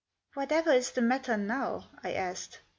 "Whatever is the matter now?" I asked.